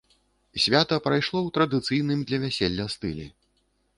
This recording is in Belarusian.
Свята прайшло ў традыцыйным для вяселля стылі.